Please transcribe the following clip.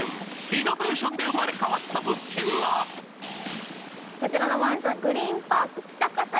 リノベーションで生まれ変わった物件がこちらのマンション、グリーンパーク北葛西。